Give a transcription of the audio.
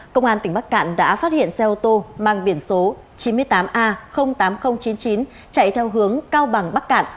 công an tỉnh bắc cạn đã phát hiện xe ô tô mang biển số chín mươi tám a tám nghìn chín mươi chín chạy theo hướng cao bằng bắc cạn